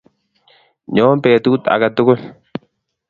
nyo petut aketugul